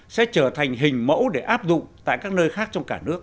sẽ trở thành hình mẫu để áp dụng tại các nơi khác trong cả nước